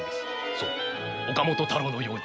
そう岡本太郎のように。